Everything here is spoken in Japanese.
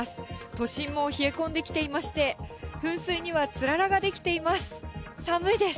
都心も冷え込んできていまして、噴水にはつららが出来ています。